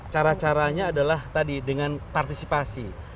cara caranya adalah tadi dengan partisipasi